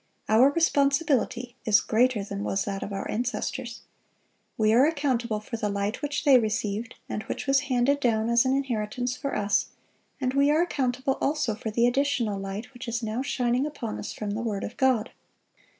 Our responsibility is greater than was that of our ancestors. We are accountable for the light which they received, and which was handed down as an inheritance for us, and we are accountable also for the additional light which is now shining upon us from the word of God.